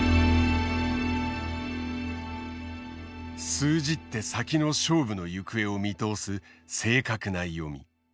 数十手先の勝負の行方を見通す正確な読み。